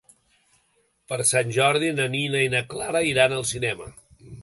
Per Sant Jordi na Nina i na Clara iran al cinema.